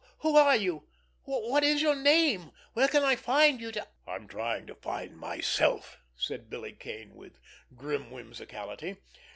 Who are you? What is your name? Where can I find you to——" "I'm trying to find—myself," said Billy Kane, with grim whimsicality.